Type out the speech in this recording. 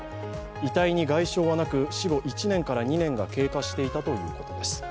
遺体に外傷はなく死後１年から２年が経過していたということです。